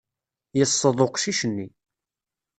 Yesseḍ uqcic-nni.